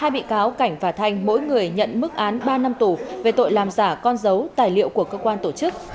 hai bị cáo cảnh và thanh mỗi người nhận mức án ba năm tù về tội làm giả con dấu tài liệu của cơ quan tổ chức